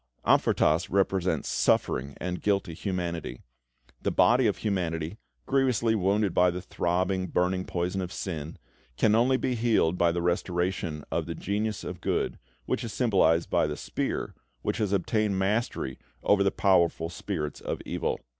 Amfortas represents suffering and guilty humanity. The body of humanity, grievously wounded by the throbbing, burning poison of sin, can only be healed by the restoration of the Genius of Good, which is symbolised by the spear, which has obtained mastery over the powerful spirits of evil.